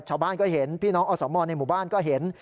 ชาวบ้านก็เห็นพี่น้องอสมในหมู่บ้านก็เห็น